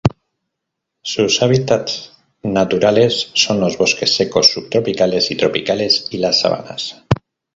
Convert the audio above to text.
Sus hábitats naturales son los bosques secos subtropicales y tropicales y las sabanas.